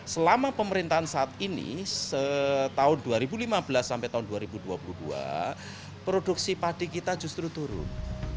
selama pemerintahan saat ini setahun dua ribu lima belas sampai tahun dua ribu dua puluh dua produksi padi kita justru turun